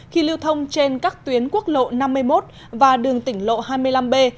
khi lưu thông trên các tuyến quốc lộ năm mươi một và đường tỉnh lộ hai mươi năm b